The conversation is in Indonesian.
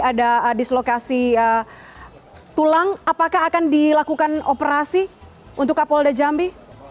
ada dislokasi tulang apakah akan dilakukan operasi untuk kapolda jambi